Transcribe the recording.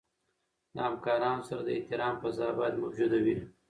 د همکارانو سره د احترام فضا باید موجوده وي.